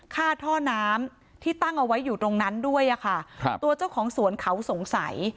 ท่อน้ำที่ตั้งเอาไว้อยู่ตรงนั้นด้วยอะค่ะครับตัวเจ้าของสวนเขาสงสัย